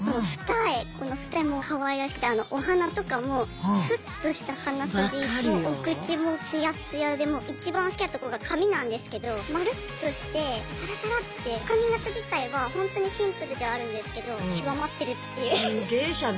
この二重もかわいらしくてお鼻とかもスッとした鼻筋もお口も艶々で一番好きなとこが髪なんですけど丸っとしてサラサラッて髪形自体はほんとにシンプルではあるんですけど極まってるっていう。